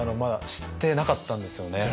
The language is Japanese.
知ってなかったんですよね。